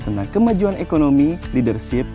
tentang kemajuan ekonomi leadership